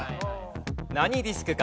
何ディスクか？